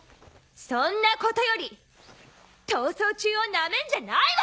そんなことより逃走中をなめんじゃないわよ！